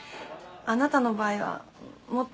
あなたの場合はもっと。